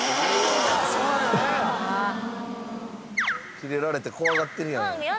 キレられて怖がってるやん。